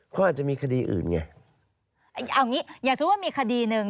เขาอาจจะมีคดีอื่นไงเอางี้อย่างนี้อย่างเช่นว่ามีคดีนึง